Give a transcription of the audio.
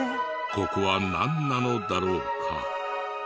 ここはなんなのだろうか？